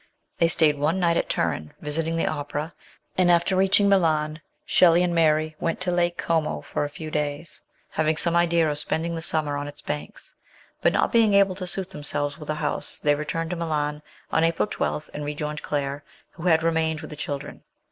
They stayed one night at Turin, visiting the opera; and after reaching Milan, Shelley and Mary went to Lake Como for a few days, having some idea of spending the summer on its banks ; but not being able to suit themselves with a house they returned to Milan on April 12 and rejoined Claire, who had remained with the children.